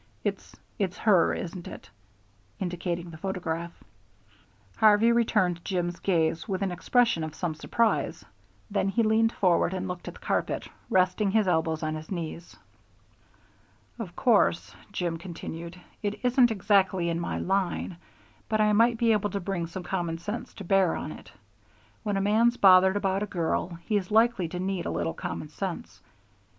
It's it's her, isn't it?" indicating the photograph. Harvey returned Jim's gaze with an expression of some surprise, then he leaned forward and looked at the carpet, resting his elbows on his knees. "Of course," Jim continued, "it isn't exactly in my line, but I might be able to bring some common sense to bear on it. When a man's bothered about a girl, he's likely to need a little common sense.